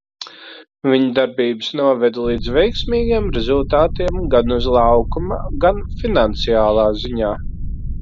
Viņa darbības noveda līdz veiksmīgiem rezultātiem gan uz laukuma, gan finansiālā ziņā.